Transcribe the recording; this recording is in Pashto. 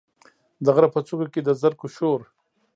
د غره په څوکو کې، د زرکو شور،